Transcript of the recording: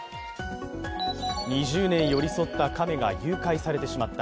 ２０年寄り添った亀が誘拐されてしまった。